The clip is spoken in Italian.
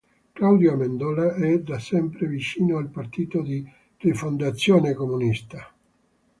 Claudio Amendola è da sempre vicino al partito di Rifondazione Comunista.